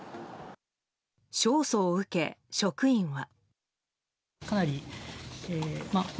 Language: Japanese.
勝訴を受け、職員は。